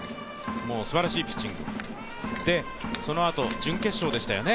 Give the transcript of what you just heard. すばらしいピッチングでそのあと準決勝でしたよね。